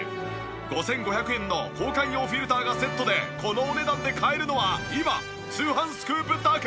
５５００円の交換用フィルターがセットでこのお値段で買えるのは今『通販スクープ』だけ。